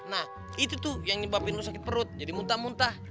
nah itu tuh yang nyebabin lu sakit perut jadi muntah muntah